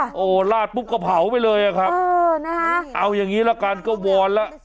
โอ้โหลาดปุ๊บก็เผาไปเลยอะครับเออนะคะเอาอย่างนี้ละกันก็วอนแล้ว